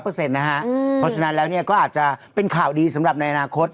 เพราะฉะนั้นแล้วก็อาจจะเป็นข่าวดีสำหรับในอนาคต